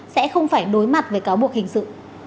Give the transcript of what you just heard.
sẽ không phải đối mặt với cáo buộc hình sự